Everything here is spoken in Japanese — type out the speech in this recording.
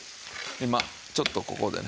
今ちょっとここでね。